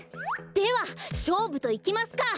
ではしょうぶといきますか！